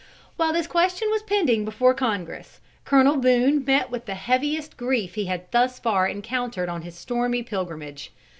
While this question was pending before Congress, Colonel Boone met with the heaviest grief he had thus far encountered on his stormy pilgrimage.